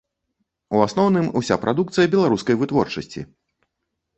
У асноўным уся прадукцыя беларускай вытворчасці.